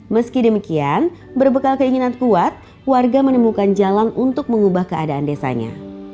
meski demikian berbekal keinginan kuat warga menemukan jalan untuk mengubah keadaan desanya